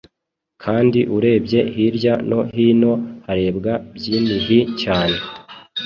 Kandi urebye hirya no hino harebwa byinhi cyane